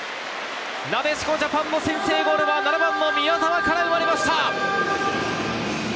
なでしこジャパンの先制ゴールは７番・宮澤から生まれました。